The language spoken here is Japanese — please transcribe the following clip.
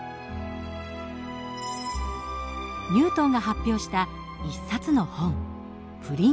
ニュートンが発表した一冊の本